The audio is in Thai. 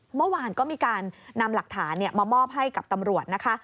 เมื่อวานก็มีการนำหลักฐานมามอบให้กับตำรวจนะคะ